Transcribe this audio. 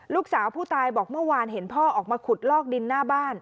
ลูกสาวผู้ตายบอกเมื่อวานเห็นพ่อออกมาขุดลอกดินหน้าบ้าน